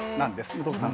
武藤さん